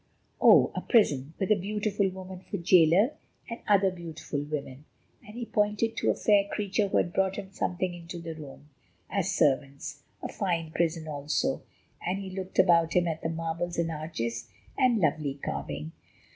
"Oh! a prison, with a beautiful woman for jailer, and other beautiful women"—and he pointed to a fair creature who had brought something into the room—"as servants. A very fine prison also," and he looked about him at the marbles and arches and lovely carving.